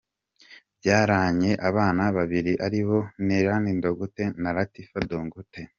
Babyaranye abana babiri aribo Nillan Dangote na Latifa Dangote.